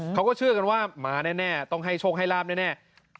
เขาก็เชื่อกันว่ามาแน่ต้องให้โชคให้ลาบแน่